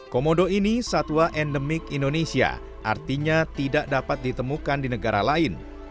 komodo ini satwa endemik indonesia artinya tidak dapat ditemukan di negara lain